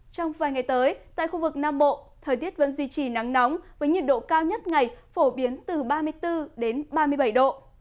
trong vài ngày tới tại khu vực nam bộ thời tiết vẫn duy trì nắng nóng với nhiệt độ cao nhất ngày phổ biến từ ba mươi bốn đến ba mươi bảy độ